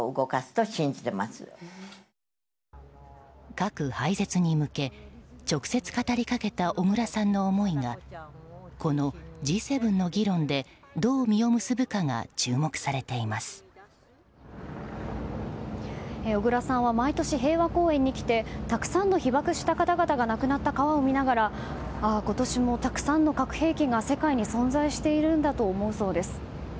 核廃絶に向け直接語り掛けた小倉さんの思いがこのＧ７の議論でどう実を結ぶかが小倉さんは毎年平和公園に来てたくさんの被爆した方々が亡くなった川を見ながら今年もたくさんの核兵器が世界に存在しているんだと思うそうです。